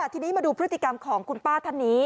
ทีนี้มาดูพฤติกรรมของคุณป้าท่านนี้